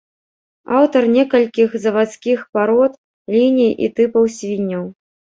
Аўтар некалькіх завадскіх парод, ліній і тыпаў свінняў.